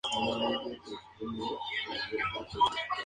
Exterior de la ciudadela de Plymouth.